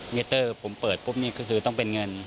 มิเตอร์ผมเปิดปุ๊บนี่ก็คือต้องเป็นเงิน